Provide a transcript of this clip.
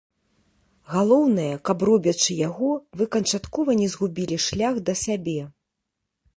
Галоўнае, каб робячы яго, вы канчаткова не згубілі шлях да сябе.